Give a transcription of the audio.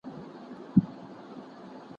ميرمني ته د اطمينان ورکولو کوښښ وکړئ.